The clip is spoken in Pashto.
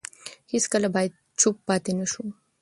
هیڅکله باید چوپ پاتې نه شو.